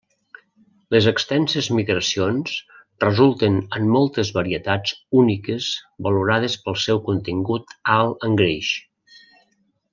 Les extenses migracions resulten en moltes varietats úniques valorades pel seu contingut alt en greix.